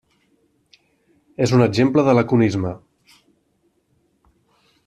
És un exemple de laconisme.